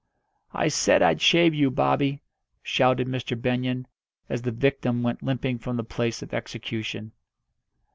"I said I'd shave you, Bobby!" shouted Mr. Benyon, as the victim went limping from the place of execution.